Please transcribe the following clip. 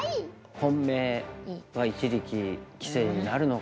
本命は一力棋聖になるのかな。